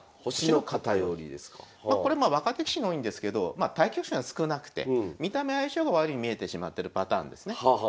これまあ若手棋士に多いんですけどまあ対局数が少なくて見た目相性が悪いように見えてしまってるパターンですね。